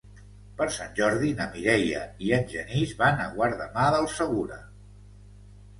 Per Sant Jordi na Mireia i en Genís van a Guardamar del Segura.